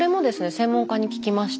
専門家に聞きました。